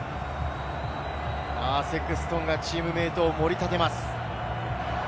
セクストンがチームメイトを盛り立てます。